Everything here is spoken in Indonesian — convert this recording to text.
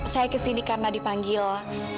saya kesini karena dipanggil